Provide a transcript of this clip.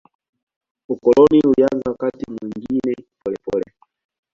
Ukoloni ulianza wakati mwingine polepole.